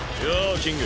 キング。